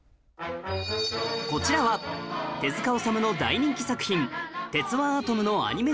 こちらは手治虫の大人気作品『鉄腕アトム』のアニメ